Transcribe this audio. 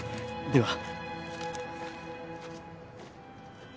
では。